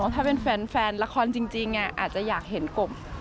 ถ้าเป็นแฟนละครจริงอาจจะอยากเห็นกบ